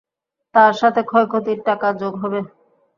তার সাথে ক্ষয়ক্ষতির টাকা যোগ হবে!